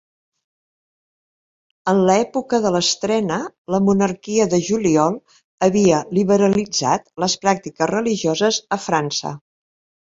En l'època de l'estrena, la Monarquia de juliol havia liberalitzat les pràctiques religioses a França.